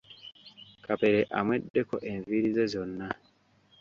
Kapere amweddeko enviiri ze zonna.